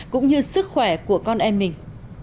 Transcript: cũng như sức khỏe của con em mình